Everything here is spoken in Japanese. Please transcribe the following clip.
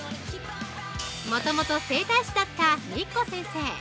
もともと整体師だったみっこ先生。